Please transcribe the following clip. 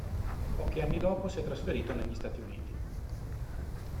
Pochi anni dopo si è trasferito negli Stati Uniti.